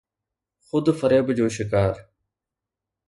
خود فريب جو شڪار.